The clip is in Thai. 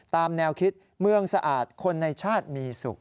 ตามแนวคิดเมืองสะอาดคนในชาติมีสุข